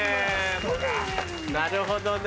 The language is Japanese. なるほどね。